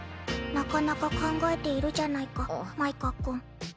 なかなか考えているじゃないか舞花君。